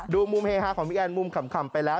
ดูมุมเฮฮาของพี่แอนมุมขำไปแล้ว